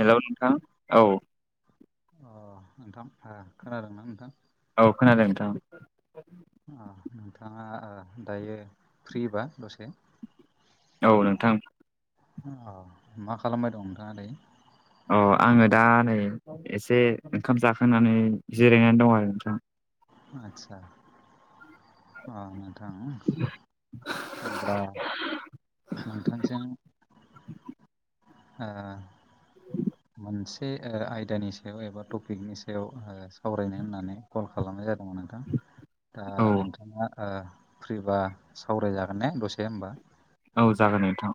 Hello नोंथां औ अ नोंथां आ खोनादोंना नोंथां औ खोनादों नोंथां अ नोंथाङा ओ दायो फ्रिबा दसे औ नोंथां अ मा खालामबाय दं नोंथाङा दायो अ आङो दा नै एसे ओंखाम जाखांनानै जिरायनानै दं आरो नोंथां आदसा अ नोंथां अब्ला नोंथांजों ओ मोनसे ओ आयदानि सायाव एबा टपिकनि सायाव ओ सावरायनो होननानै कल खालामनाय जादोंमोन नोंथां दा औ नोंथाङा ओ फ्रिबा सावरायजागोनने दसे होमबा औ जागोन नोंथां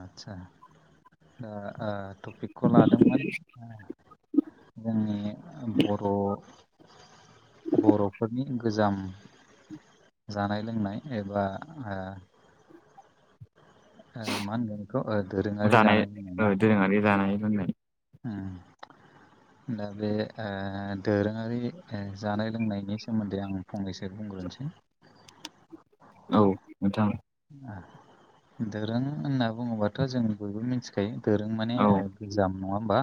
आतसा दा ओ टपिकखौ लादोंमोन आ जोंनि बर' बर'फोरनि गोजाम जानाय लोंनाय एबा ओ ओ मा होनगोन बेखौ दोरोङारि जानाय लोंनाय ना जोहा बे जानाय लोंनाय ओ दा बे ओ दोरोङारि ओ जानाय लोंनायनि सोमोन्दै आं फंनैसो बुंग्रोनोसै औ नोंथां आ दोरों होनना बुङोबाथ जों बयबो मोनथि खायो दोरों माने औ ओ गोजाम नङा होमबा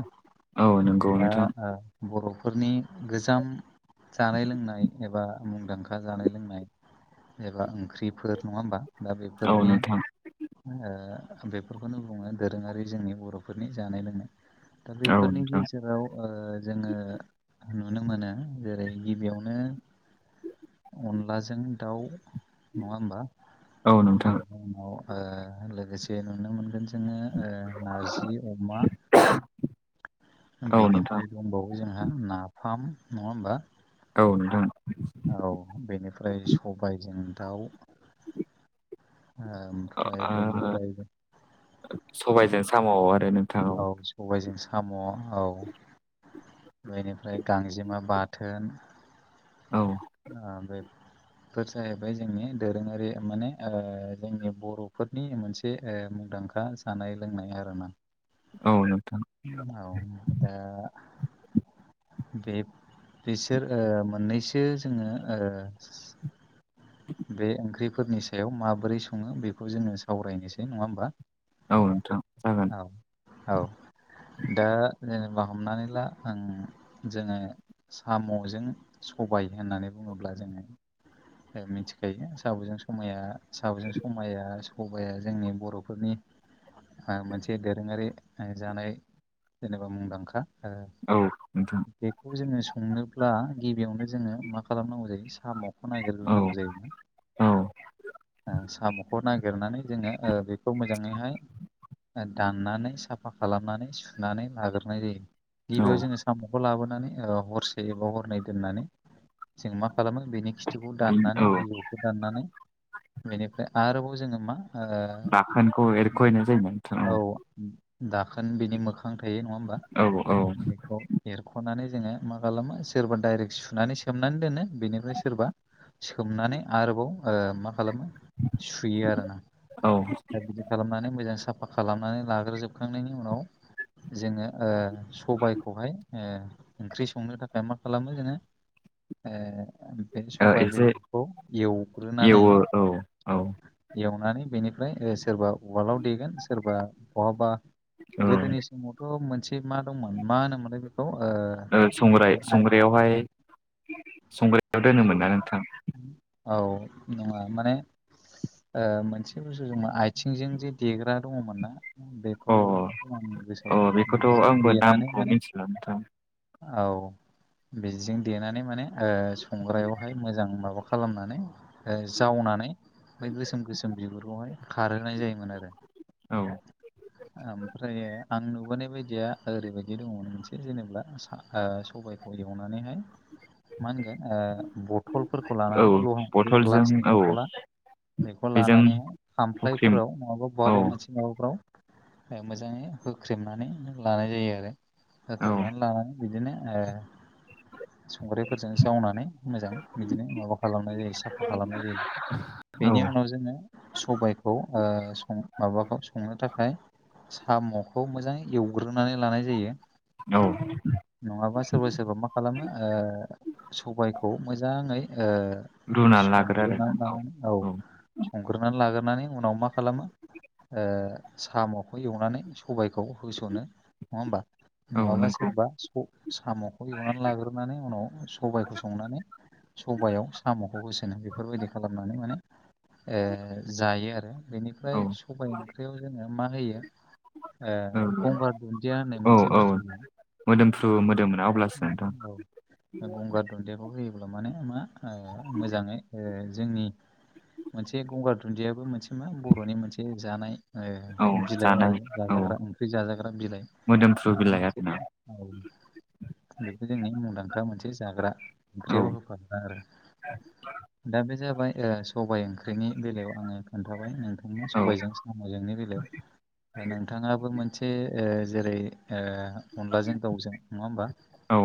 औ नंगौ दा नोंथां ओ बर'फोरनि गोजाम जानाय लोंनाय एबा मुंदांखा जानाय लोंनाय एबा ओंख्रिफोर नङा होमबा दा औ बेफोरनि नोंथां बेफोरखौनो बुङो दोरोङारि जोंनि बर'फोरनि जानाय लोंनाय दा औ बेफोरनि नोंथां गेजेराव ओ जोङो नुनो मोनो जेरै गिबियावनो अनलाजों दाउ नङा होमबा औ नोंथां बेनि उनाव ओ लोगोसे नुनो मोनगोन जोङो ओ नारजि अमा औ नोंथां बेनिफ्राय दंबावो जोंहा नाफाम नङा होमबा औ नोंथां औ बेनिफ्राय सबायजों दाउ ओमफ्राय ओ बेनिफ्राय सबायजों साम आरो नों औ सबायजों साम औ बेनिफ्राय गांजेमा बाथोन औ आ बे बेफोर जाहैबाय जोंनि दोरोङारि माने ओ जोंनि बर'फोरनि मोनसे ओ मुंदांखा जानाय लोंनाय आरोना। औ नोंथां औ दा बे बिसोर ओ मोननैसो जोङो ओ बे ओंख्रिफोरनि सायाव माबोरै सङो बेखौ जोङो सावरायनोसै नङा होमबा? औ नोंथां जागोन औ औ दा जेनेबा हमनानै ला आं जोङो सामजों सबाइ होननानै बुङोब्ला जोङो मिथि खायो साबुजों समाया साबुजों समाया सबाइया जोंनि बर'फोरनि ओ मोनसे दोरोङारि ओ जानाय जेनेबा मुंदांखा ओ औ नोंथां बेखौ जोङो संनोब्ला गिबियावनो जोङो मा खालामनांगौ जायो साम साम'खौ‌ औ नागिरग्रोनांगौ जायोमोन औ ओ सामखौ नागिरनानै जोङो ओ बेखौ मोजाङैहाय दाननानै साफा खालामनानै सुनानै लाग्रोनाय जायो औ गिबियाव जोङो सामखौ लाबोनानै ओ हरसे एबा हरनै दोननानै जों मा खालामो बेनि खि थुखौ बि औ दाननानै बिजौखौ दाननानै बेनिफ्राय आरोबाव जोङो मा ओ बाखोनखौ एरख'हैनाय जायोना नोंथां औ दाखोन बिनि मोखां थायो नङा होमबा औ बेखौ एरखनानै जोङो मा खालामो सोरबा दाइरेक्ट सुनानै सोमनानै दोनो बेनिफ्राय सोरबा सोमनानै आरोबाव ओ मा खालामो सुयो आरोना औ दा बिदि खालामनानै मोजां साफा खालामनानै लाग्रो जोबखांनायनि उनाव जोङो ओ सबाइखौहाय ओ ओंख्रि संनो थाखाय मा खालामो जोङो ओ बे सबाइ एसे बेगरखौ एवग्रोनानै एवो औ औ एवनानै बेनिफ्राय ओ सोरबा उवालाव देगोन सोरबा बहाबा औ गोदोनि ओ [unintelligible] मोनसे मा दंमोन मा होनोमोनलाय बेखौ ओ ओ संग्राय बे संग्रायावहाय संग्रायाव दोनोमोन आइ ना नोंथां? औ नङा माने ओ मोनसे बुस्थुजों आइथिंजों जे देग्रा दङमोन ना? बेखौ अ आं गोसोआव अ गैला बेखौथ' बिदिजों आंबो देनानै नामखौ माने मिथिला नोंथां औ बिजों देनानै माने ओ संग्रायावहाय मोजां माबा खालामना नै जावनानै बै गोसोम गोसोम बिगुरखौहाय खारहोनाय जायोमोन आरो औ ओमफ्रायो आं नुबोनाय बायदिया ओरैबायदि दङमोन मोनसे जेनेबा सा फा ओ सबाइखौ एवनानैहाय मा होनगोन ओ बथलफोरखौ औ लानानै बै बथलजों ग्लासनि औ बथला बेखौ बेजों लानानै हुख्रेम खामफ्लायफोराव नङाबा औ बहाबा मोनसे माबाफोराव ओमफ्राय मोजाङै होख्रेमनानै लानाय जायो आरो। औ होख्रेमना लानानै बिदिनो ओ संग्रायफोरजों जावनानै मोजां बिदिनो माबा खालामनाय जायो साफा खालामनाय जायो औ बेनि उनाव जोङो सबाइखौ ओ सं माबाखौ संनो थाखाय साम'खौ मोजां एवग्रोनानै लानाय जायो। औ नङाबा सोरबा सोरबा मा खालामो ओ सबाइखौ मोजाङै ओ रुनानै लाग्रो आरो संग्रोनानै लानानै औ संग्रोनानै लाग्रानै उनाव मा खालामो ओ साम'खौ एवनानै सबाइखौ होस'नो नङा ओमबा? औ नङाबा नंगौ सोरबा स साम'खौ एवनानै लाग्रो संनानै उनाव सबाइखौ संनानै सबायाव सामखौ होसोनो बेफोरबायदि खालामनानै माने ओ जायो आरो बेनिफ्राय औ सबाय ओंख्रियाव जोङो मा होयो ओ औ गंगार दुन्दिया होननाय औ मोनसे औ बुस्थु बि मोदोमफ्रु मोदोमोना अब्लासो नोंथां औ गंगार दुन्दियाखौ होयोब्ला माने मा मोजाङै जोंनि मोनसे गंगार दुन्दियाबो मोनसे मा बर'नि मोनसे जानाय ओ औ बिलाइ जानाय आरो औ जाजाग्रा ओंख्रि जाजाग्रा बिलाइ मोदोमफ्रु बेबो बिलाइ मोनसे आरोना औ बेबो जोंनि मुंदांखा मोनसे जाग्रा औ ओंख्रियाव होफाग्रा आरो दा बे जाबाय ओ सबाय ओंख्रिनि बेलायाव आङो खोन्थाबाय नोंथांनो औ सबायजों जोंनि बेलायाव नोंथाङाबो मोनसे जेरै ओ अनलाजों दाउजों नङा होमबा औ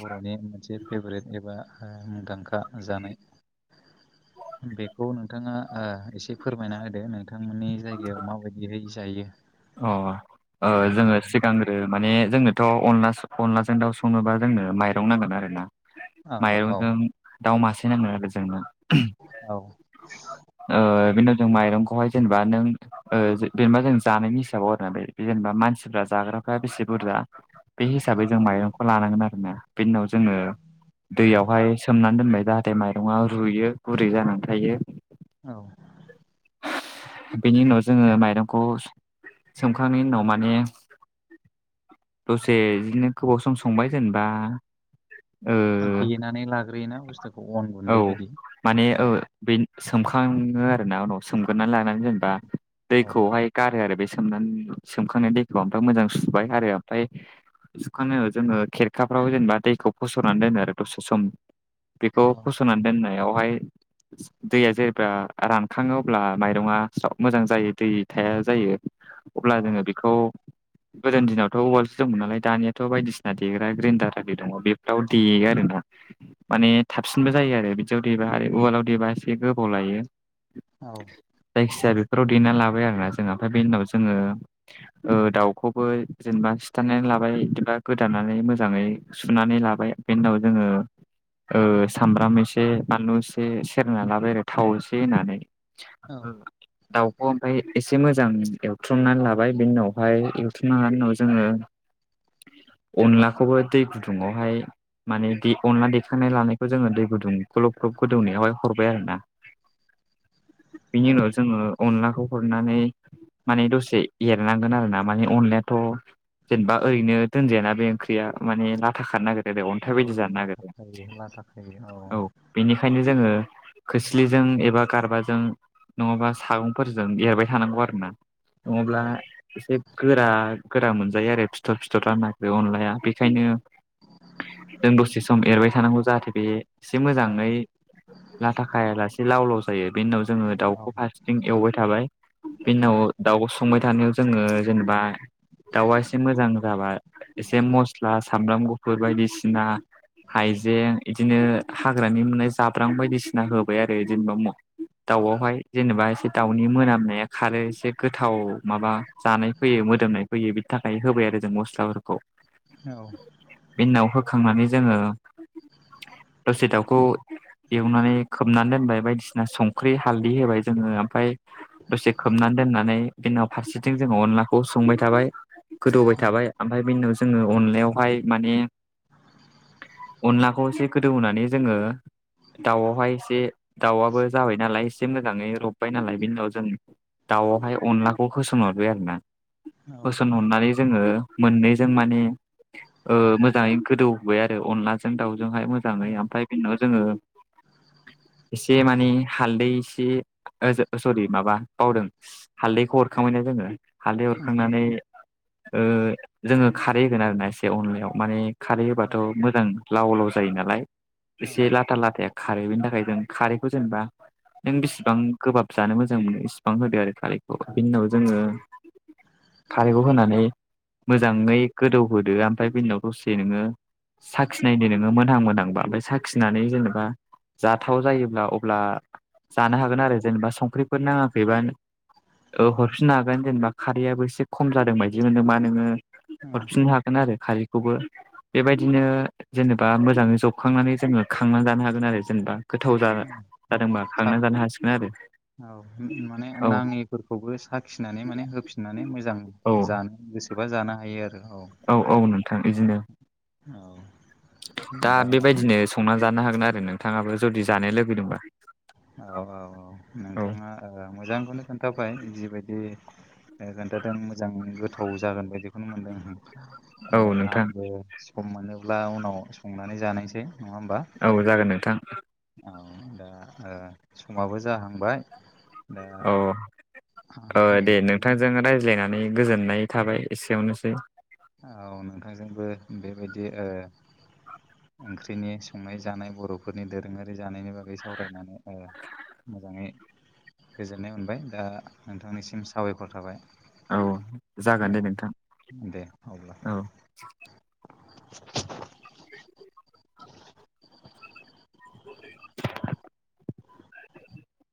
बर'नि मोनसे फेभरेट एबा ओ मुंदां खा जानाय बेखौ नोंथाङा एसे फोरमायना होदो। नोंथांमोननि जायगायाव माबायदियै जायो। अ संनानै जोङो सिगां ओ माने जोंनोथ' अनला अनलाजों दाउ संनोबा जोंनो माइरं नांगोन आरोना। औ औ माइरंजों दाउ मासे नांगोन आरो जोंनो औ ओ बेनि उनाव जों माइरंखौहाय जेनोबा नों जेनबा जों जानायनि हिसाबाव बे जेनेबा मानसिफ्रा जाग्राफ्रा बेसे बुरजा बे हिसाबै जों औ माइरं लानांगोन आरोना बेनि उनाव जोङो औ दैयावहाय सोमनानै दोनबाय जाहाथे माइरङा रुयो गुरै जानानै थायो। औ बेनि उनाव जोङो माइरंखौ सं सोमखांनायनि उनाव माने दसे बिदिनो गोबाव सम संबाय जेनेबा ओ देनानै लाग्रोयोना बुस्थुखौ अन गुन्दै औ बायदि औ बे सोमखाङो आरोना उनाव सोमगोरोनानै लानानै जेनेबा औ दैखौहाय गारो आरो बे सोमनानै सोमखांनाय दैखौ ओमफ्राय मोजां सुबाय औ आरो ओमफ्राय सुखांनायाव जोङो खेरखाफ्राव जेनेबा दैखौ फसरनानै दोनो आरो दसे सम। बेखौ औ फसरनानै दोननायावहाय दैया जेबा रानखाङो अब्ला माइरङा स्राव मोजां जायो दै थाया जायो। अब्ला जोङो बेखौ गोदो दिनावथ उवालसो दंमोन नालाय दानियाथ बायदिसिना देग्रा ग्रेन्डार आरि दङ बेफ्राव देयो आरो ना। [inaudible] माने थाबसिनबो जायो आरो बिदियाव दैबा आरो उवालाव दैबा एसे गोबाव लायो। औ जायखिजाया बेफोराव देना लाबाय आरोना जोङो ओमफ्राय बेनि उनाव जोङो ओ दाउखौबो जेनेबा सिथारनानै लाबाय जेनबा गोदानानै मोजाङै सुनानै लाबाय बेनि उनाव जोङो ओ सामब्राम एसे बानलु एसे सेरना लाबाय आरो थाव एसे होननानै औ ओं दाउखौ ओमफ्राय एसे मोजां एवथुमनानै लाबाय बेनि उनावहाय एवथुमना लानायनि उनाव जोङो [inaudible] अनलाखौबो दै गुदुंङावहाय माने दे अनला दे खांना लानायखौ जोङो दै गुदुं ग्लब ग्लब गोदौनायावहाय हरबाय आरोना बिनि औ उनाव जोङो अनलाखौ हरनानै माने दसे एरनांगोन आरोना माने अनलायाथ जेनेबा ओरैनो दोनजायाना बे ओंख्रिया माने लाथा खानो नागिरो आरोे अन्थाइ बायदि जानो नागिरो बे लाथाखायो औ बेनिखायनो जोङो खोस्लिजों एबा गारबाजों नङाबा सागंफोरजों एरबाय थानांगौ आरोना औ नङाब्ला एसे गोरा गोरा मोनजायो आरो फिथर फिथर जानो नागिरो अनलाया बेखायनो जों दसे सम एरबाय थानांगौ जाहाथे बे एसे औ मोजाङै लाथा खायालासे लाव लाव जायो बेनि उनाव जोङो औ दाउखौ फारसेथिं एवबाय थाबाय बेनि उनाव दाउखौ संबाय थानायाव जोङो जेनेबा दाउआ एसे मोजां जाबा एसे मस्ला सामब्राम गुफुर बायदिसिना हाइजें इदिनो हाग्रानि मोननाय जाब्रां बायदिसिना होबाय आरो जेनेबा म दाउआवहाय जेनेबा एसे दाउनि मोनामनाया खारो एसे गोथाव माबा जानाय फैयो मोदोमनाय फैयो बे थाखाय होबाय आरो जों मस्लाफोरखौ औ बे उनाव होखांनानै जोङो दसे दाउ खौ एवनानै खोबनानै दोनबाय बायदिसिना संख्रि हालदै होबाय जोङो ओमफाय दसे खोबनानै दोननानै बिनि उनाव फारसेथिं जोङो अनलाखौ संबाय थाबाय गोदौबाय औ थाबाय ओमफ्राय बे उनाव जोङो अनलायावहाय माने [inaudible] अनलाखौ एसे गोदौहोनै जोङो दाउआवहाय एसे दाउआबो जाबाय नालाय एसे मोजाङै रबबाय नालाय बेनि उनाव जों दाउआवहाय अनलाखौ होसन हरबाय आरोना होसनहरनानै जोङो मोननै माने ओलमोजाङै गोदौ होबाय आरो अनला जों दाउजोंहाय मोजाङै औ ओमफ्राय बिनि उनाव जोङो एसे मानि हालदै एसे ओ सरि माबा बावदों हालदैखौ हरखांबायना जोङो हालदै उम हरखांनानै उम ओ जोङो खारै होगोन आरोना एसे अनलायाव माने खारै औ होबाथ मोजां लाव लाव जायो नालाय औ एसे लाथा लाथाया खारो बेनि थाखाय जों खारैखौ जेनेबा नों बिसिबां गोबाब जानो मोजां मोनो इसिबां होदो आरो खालिखौ बिनि उनाव जोङो खारैखौ होनानै मोजाङै गोदौहोदो ओमफ्राय बिनिनाव दसे नोङो साखिनायदो नोङो मोनहां मोनोदांबा ओमफ्राय साखिनानै जेनेबा जाथाव जायोब्ला अब्ला जानो हागोन आरो जेनेबा संख्रिफोर नाङाखैबा ओ हरफिननो हागोन जेनेबा खारैयाबबो एसे खम जादों बायदि मोनदोंबा नोङो औ हरफिननो हागोन आरो खारैखौबो बेबायदिनो जेनेबा मोजाङै जबखांनानै जोङो खांनानै जानो हागोन आरो जेनेबा गोथाव जा जादोंबा खांनानै जानो हासिगोन [unintelligible] आरो औ माने औ नाङिफोरखौबो साखिनानै माने होफिननानै मोजां औ जानो गोसोबा जानो हायो आरो औ औ औ नोंथां इदिनो औ दा बेबायदिनो संना जानो हागोन आरो नोंथाङाबो जुदि जानो लुगैदोंबा औ औ औ नोंथाङा मोजांखौनो खोन्थाबाय। जिबायदि खोन्थादों मोजां गोथाव जागोन बायदि मोनदों। औ दा नोंथां आंबो सम मोनोब्ला उनाव संनानै जानायसै नङा होमबा। औ जागोन नोंथां। औ दा समाबो जाहांबाय। दा औ दे नोंथांजों रायज्लायनानै गोजोननाय थाबाय एसेयावनोसै। औ नोंथांजोंबो बे बादि ओ ओंख्रिनि संनाय जानाय बर' फोरनि दोरोङारि जानायनि बागै सावरायनानै मोजाङै गोजोननाय मोनबाय दा नोंथांनिसिम साबायखर थाबाय। औ जागोन दे औ नोंथां दे अब्ला। औ [unintelligible]